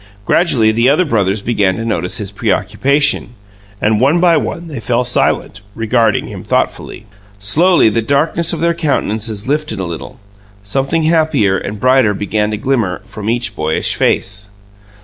Gradually the other brothers began to notice his preoccupation, and one by one they fell silent, regarding him thoughtfully. Slowly the darkness of their countenances lifted a little; something happier and brighter began to glimmer from each boyish face.